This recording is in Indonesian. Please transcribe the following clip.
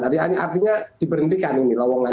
artinya diberhentikan ini lowongan